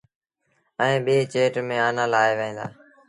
ائيٚݩ ٻيٚ چيٽ ميݩ آنآ لآوهيݩ دآ۔